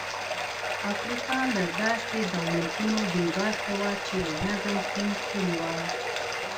افریقا له داسې دولتونو بې برخې وه چې نظم ټینګ کړي وای.